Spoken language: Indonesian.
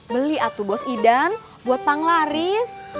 beli atu bos idan buat bang laris